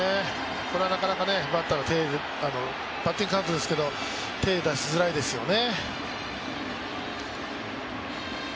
これはなかなかバッティングカウントですけど、バッターは手を出しづらいですよね。